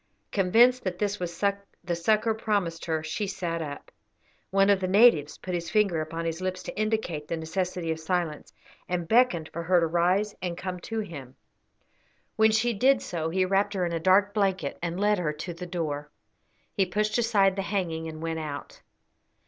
Convinced that this was the succour promised her, she sat up. One of the natives put his finger upon his lips to indicate the necessity of silence, and beckoned for her to rise and come to him. When she did so he wrapped her in a dark blanket and led her to the door. He pushed aside the hanging and went out.